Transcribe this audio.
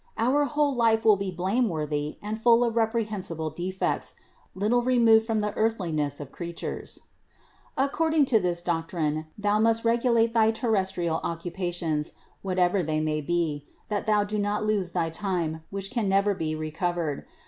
Our whole life will be blameworthy and full of reprehensible defects, little re moved from the earthliness of creatures. 252. According to this doctrine thou must so regu late thy terrestrial occupations, whatever they may be, that thou do not lose thy time, which can never be re covered.